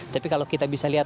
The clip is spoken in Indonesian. tapi kalau kita bisa lihat